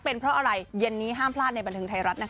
เป็นเพราะอะไรเย็นนี้ห้ามพลาดในบันเทิงไทยรัฐนะคะ